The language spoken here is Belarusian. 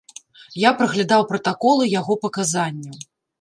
Я праглядаў пратаколы яго паказанняў.